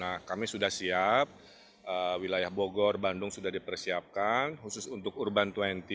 nah kami sudah siap wilayah bogor bandung sudah dipersiapkan khusus untuk urban dua puluh